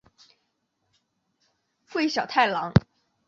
桂小太郎。